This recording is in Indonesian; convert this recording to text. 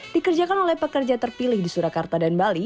dikerjakan oleh pekerja terpilih di surakarta dan bali